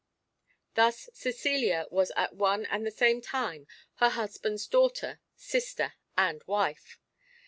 Thus Cecilia was at one and the same time her husband's daughter, sister and wife.